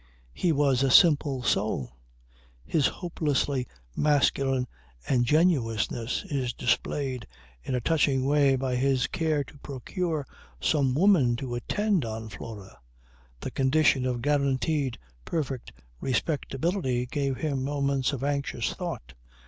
He was a simple soul. His hopelessly masculine ingenuousness is displayed in a touching way by his care to procure some woman to attend on Flora. The condition of guaranteed perfect respectability gave him moments of anxious thought.